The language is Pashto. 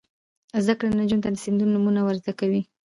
زده کړه نجونو ته د سیندونو نومونه ور زده کوي.